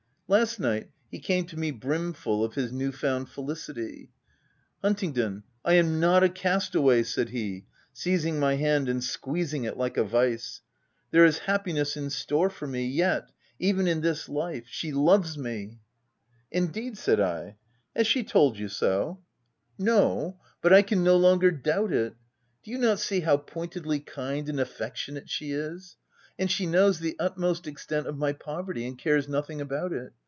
Last night, he came to me brim full of his new found felicity :"' Huntingdon, I am not a cast away V said he, seizing my hand and squeezing it like a vice. ' There is happiness in store for me, yet — even in this life — she loves me !'"' Indeed V said I. ' Has she told you so ?' 56 THE TENANT "' No, but I can no longer doubt it. Do you not see how pointedly kind and affectionate she is ? And she knows the utmost extent of my poverty, and cares nothing about it